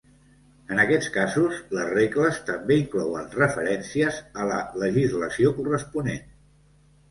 En aquests casos, les regles també inclouen referències a la legislació corresponent.